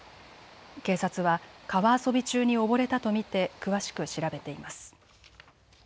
警察は川遊び中に溺れたと見て詳しく調べています。